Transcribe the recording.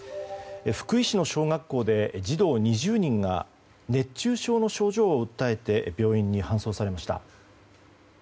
福井市の小学校で児童２０人が熱中症の症状を訴えて病院に搬送されました。